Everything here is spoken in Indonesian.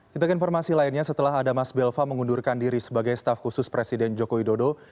kita ke informasi lainnya setelah ada mas belva mengundurkan diri sebagai staff khusus presiden joko widodo